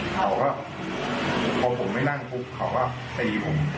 เขาก็พอผมไม่นั่งปุ๊บเขาก็ตีผม